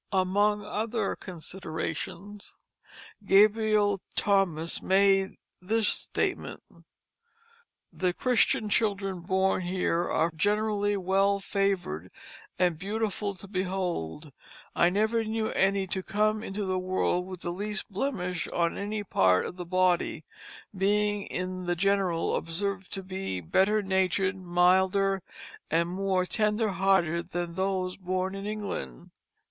Among other considerations Gabriel Thomas made this statement: "The Christian children born here are generally well favored and beautiful to behold. I never knew any to come into the world with the least blemish on any part of the body; being in the general observed to be better natured, milder, and more tender hearted than those born in England."